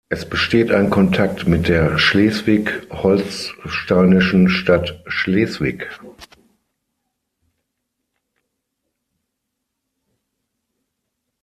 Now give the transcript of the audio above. Es besteht ein Kontakt mit der schleswig-holsteinischen Stadt Schleswig.